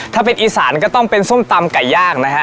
ถ้าเป็นอีสานก็ต้องเป็นส้มตำไก่ย่างนะฮะ